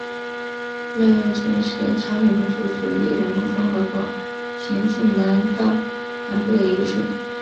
乐园郡是朝鲜民主主义人民共和国咸镜南道南部的一个郡。